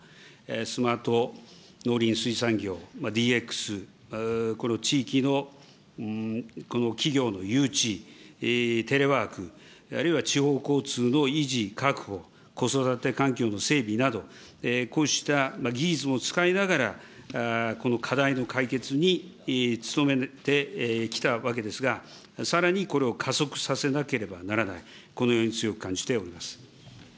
スマート農林水産業、ＤＸ、この地域のこの企業の誘致、テレワーク、あるいは地方交通の維持・確保、子育て環境の整備など、こうした技術も使いながら、課題の解決に努めてきたわけですが、さらにこれを加速させなければならない、このように強く感じております。